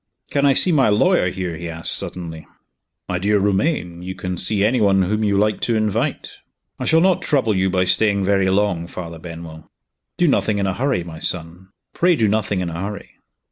"Can I see my lawyer here?" he asked, suddenly. "My dear Romayne, you can see any one whom you like to invite." "I shall not trouble you by staying very long, Father Benwell." "Do nothing in a hurry, my son. Pray do nothing in a hurry!"